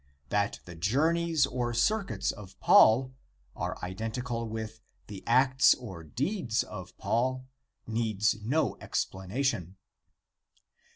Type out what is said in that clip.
That the " Journeys or Circuits of Paul " are iden tical with the " Acts or Deeds of Paul " needs no explana tion.